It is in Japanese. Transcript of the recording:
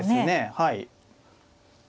はい。